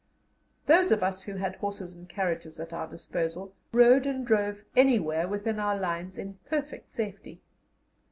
Those of us who had horses and carriages at our disposal rode and drove anywhere within our lines in perfect safety.